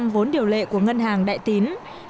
vốn điều lệ của ngân hàng đại tín